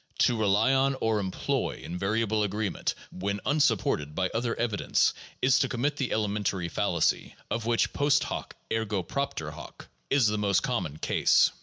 To rely on or employ invariable agreement when unsupported by other evidence is to commit that elementary fallacy, of which post hoc ergo propter hoc is the most common case.